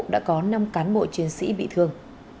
đã có năm cán bộ chiến sĩ bị thương